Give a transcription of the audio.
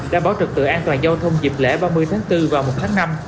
đảm bảo trật tựa an toàn giao thông dịp lễ ba mươi tháng bốn và một tháng năm